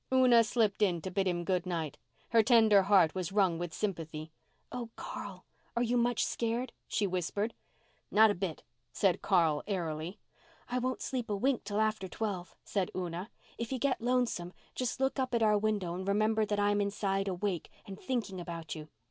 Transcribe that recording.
Una slipped in to bid him good night. Her tender heart was wrung with sympathy. "Oh, Carl, are you much scared?" she whispered. "Not a bit," said Carl airily. "I won't sleep a wink till after twelve," said Una. "If you get lonesome just look up at our window and remember that I'm inside, awake, and thinking about you.